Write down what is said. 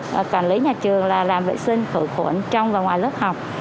và quản lý nhà trường là làm vệ sinh khử khuẩn trong và ngoài lớp học